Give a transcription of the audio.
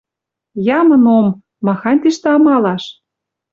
Ямын ом. Махань тиштӓк амалаш!